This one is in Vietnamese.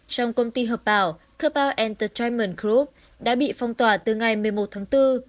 trong công ty hợp bảo kerbal entertainment group đã bị phong tỏa từ ngày một mươi một tháng bốn